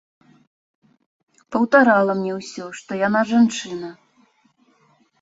Паўтарала мне ўсё, што яна жанчына.